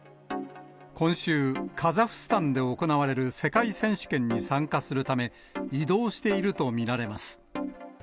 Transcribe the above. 今週、カザフスタンで行われる世界選手権に参加するため、移動していると見られます。